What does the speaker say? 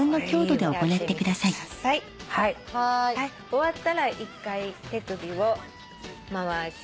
終わったら１回手首を回します。